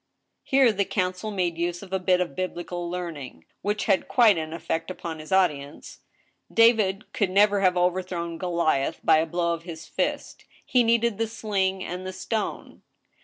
Here the counsel made use of a bit of biblical learning, which had quite an effect upon his audience. David could never have overthrown Goliath by a blow of his fist ; he needed the sling and the stone.